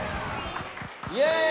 イェーイ！